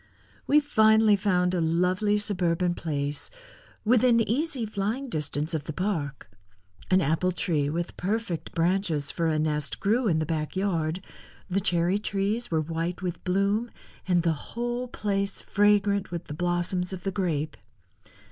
We finally found a lovely suburban place within easy flying distance of the park. An apple tree with perfect branches for a nest grew in the back yard, the cherry trees were white with bloom and the whole place fragrant with the blossoms of the grape.